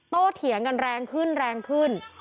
โต้เถียงกันแรงขึ้น